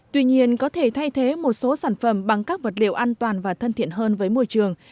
tuy nhiên có thể thay thế một số sản phẩm bằng các vật liệu an toàn và thân thiện hơn với môi trường